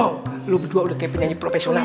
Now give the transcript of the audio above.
oh lu berdua udah kayak penyanyi profesional